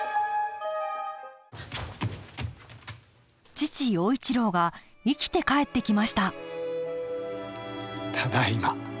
父陽一郎が生きて帰ってきましたただいま。